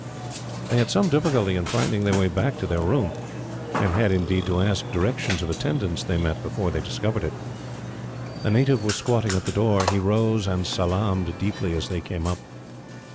They had some difficulty in finding their way back to their room, and had, indeed, to ask directions of attendants they met before they discovered it. A native was squatting at the door. He rose and salaamed deeply, as they came up.